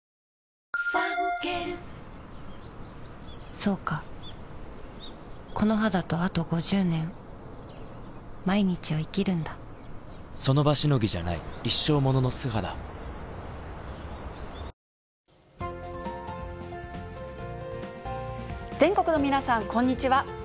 そうかこの肌とあと５０年その場しのぎじゃない一生ものの素肌全国の皆さん、こんにちは。